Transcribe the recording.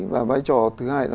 và vai trò thứ hai